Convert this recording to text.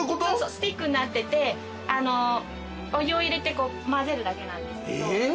スティックになっててお湯を入れて混ぜるだけなんですけど。